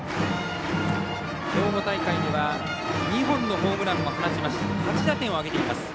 兵庫大会では２本のホームランを放ち８打点を挙げています。